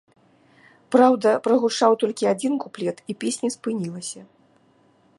Праўда, прагучаў толькі адзін куплет, і песня спынілася.